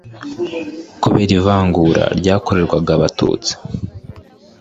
Kubera ivangura ryakorerwaga Abatutsi